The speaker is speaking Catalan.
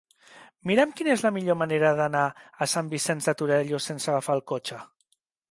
Mira'm quina és la millor manera d'anar a Sant Vicenç de Torelló sense agafar el cotxe.